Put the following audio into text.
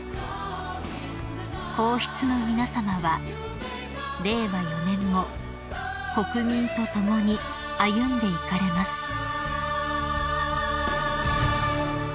［皇室の皆さまは令和４年も国民と共に歩んでいかれます］